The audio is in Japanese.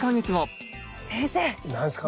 何ですか？